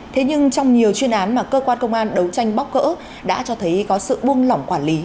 thế nhưng trong nhiều chuyên án mà cơ quan công an đấu tranh bóc gỡ đã cho thấy có sự buông lỏng quản lý